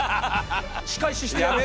仕返ししてやろうかなと。